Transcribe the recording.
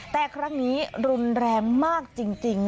แต่ครั้งนี้รุนแรงมากจริง